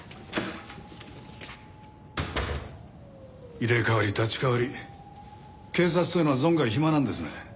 入れ代わり立ち代わり警察というのは存外暇なんですね。